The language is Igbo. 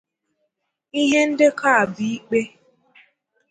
Ihe ndekọ a bụ ikpe.